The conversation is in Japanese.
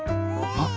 あっ！